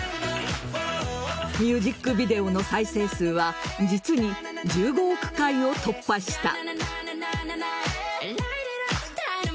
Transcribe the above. ミュージックビデオの再生数は実に１５億回を突破した。